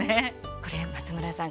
これ松村さん